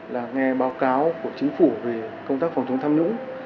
là nghe báo cáo của chính phủ về công tác phòng chống tham nhũng